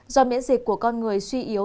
do miễn dịch của con người suy yếu